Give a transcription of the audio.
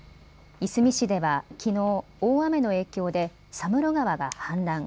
いすみ市ではきのう、大雨の影響で佐室川が氾濫。